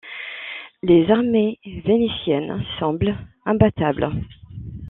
Les armées vénitiennes semblent imbattables.